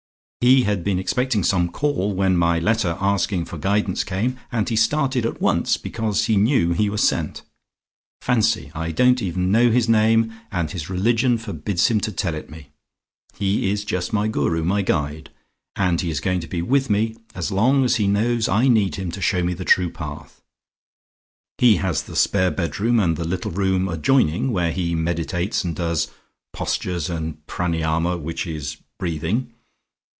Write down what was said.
He had been expecting some call when my letter asking for guidance came, and he started at once because he knew he was sent. Fancy! I don't even know his name, and his religion forbids him to tell it me. He is just my Guru, my guide, and he is going to be with me as long as he knows I need him to show me the True Path. He has the spare bedroom and the little room adjoining where he meditates and does Postures and Pranyama which is breathing.